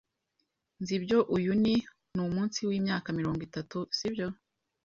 nzi ibyo uyu ni. Numunsi wimyaka mirongo itatu, sibyo?